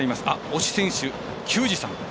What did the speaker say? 「推し選手」、球児さん。